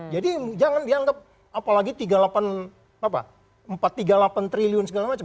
jadi jangan dianggap apalagi tiga puluh delapan triliun segala macam